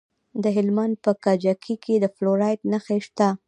د هلمند په کجکي کې د فلورایټ نښې شته.